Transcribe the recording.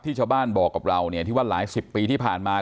ชาวบ้านบอกกับเราเนี่ยที่ว่าหลายสิบปีที่ผ่านมา